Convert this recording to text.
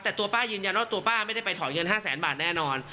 แต่ตัวป้ายืนยันว่าตัวป้าไม่ได้ไปถอนเงิน๕แสนบาทแน่นอน